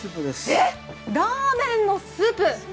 ラーメンのスープです。